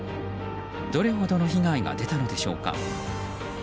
どれほどの被害が出たのでしょうか。